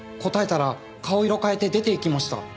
答えたら顔色変えて出ていきました。